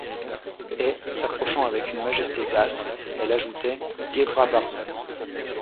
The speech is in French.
Et, s’approchant, avec une majesté d’astre, elle ajoutait: Gebra barzon!